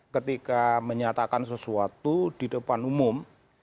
ketika menyatakan sesuatu di depan umum